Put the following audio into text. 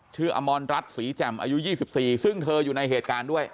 อมรรัฐศรีแจ่มอายุ๒๔ซึ่งเธออยู่ในเหตุการณ์ด้วย